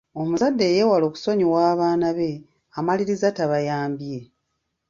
Omuzadde eyeewala okusonyiwa abaana be amaliriza tabayambye.